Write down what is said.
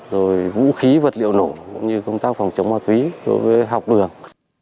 rồi vũ khí vật liệu nổ cũng như công tác phòng chống ma túy đối với học đường